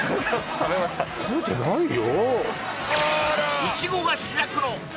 食べてないよ